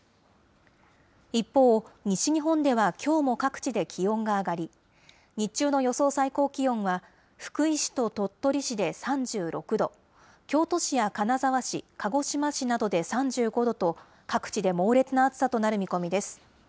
一方、西日本ではきょうも各地で気温が上がり、日中の予想最高気温は、福井市と鳥取市で３６度、京都市や金沢市、鹿児島市などで３５度と、各地で猛烈な暑さとなる見込みです。